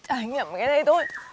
anh nhầm cái này thôi